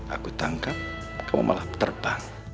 aku tangkap kamu malah terbang